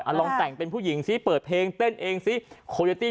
เราลองแต่งเป็นผู้หญิงซิเปิดเพลงเต้นเองซิ